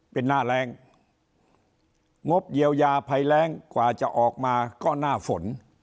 เป็นหน้าแรงงบเยียวยาภัยแรงกว่าจะออกมาก็หน้าฝน